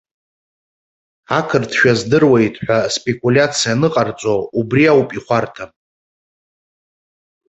Ақырҭшәа здыруеит ҳәа спекулиациа аныҟарҵо абри ауп ихәарҭам!